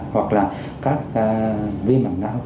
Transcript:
hoặc là các viên mạng nã nã mục cầu